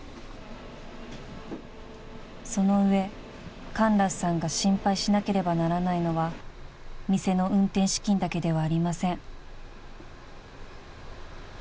［その上カンラスさんが心配しなければならないのは店の運転資金だけではありません］